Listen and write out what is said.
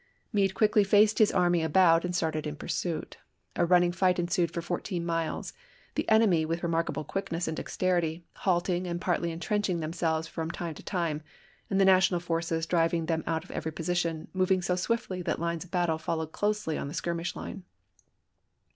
Meade quickly faced his army about and started in pursuit. A running fight ensued for fourteen miles ; the enemy, with remark able quickness and dexterity, halting and partly intrenching themselves from time to time, and the National forces driving them out of every position, moving so swiftly that lines of battle followed closely on the skirmish line.